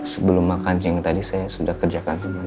sebelum makan siang tadi saya sudah kerjakan sebelumnya